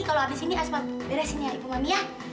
kalau habis ini asma beresin ya ibu mami ya